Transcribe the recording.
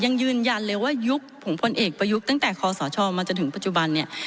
ยังยืนยันเลยว่ายุคของพลเอกประยุทธ์ตั้งแต่คอสชมาจนถึงปัจจุบันเนี่ย